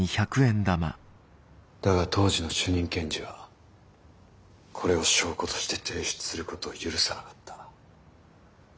だが当時の主任検事はこれを証拠として提出することを許さなかった。